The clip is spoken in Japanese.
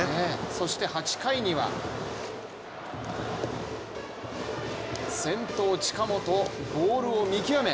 そして８回には先頭・近本ボールを見極め